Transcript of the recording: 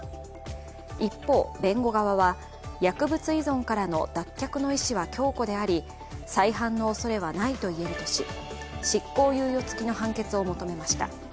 一方、弁護側は、薬物依存からの脱却の意思は強固であり再犯のおそれはないと言えるとし、執行猶予付きの判決を求めました。